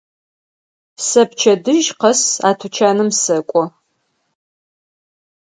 Сэ пчэдыжь къэс а тучаным сэкӏо.